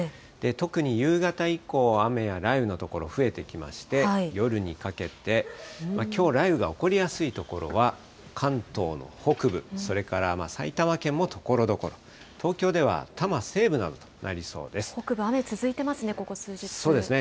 特に夕方以降、雨や雷雨の所、増えてきまして、夜にかけて、きょう、雷雨が起こりやすい所は、関東の北部、それから埼玉県もところどころ、東京では多摩西部など北部、雨続いてますね、ここそうですね。